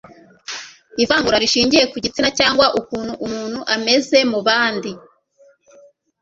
ivangura rishingiye ku gitsina cyangwa ukuntu umuntu ameze mu bandi